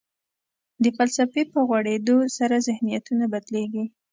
د فلسفې په غوړېدو سره ذهنیتونه بدلېږي.